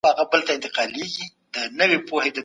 پر سپین آس باندي وو